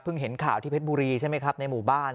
เห็นข่าวที่เพชรบุรีใช่ไหมครับในหมู่บ้าน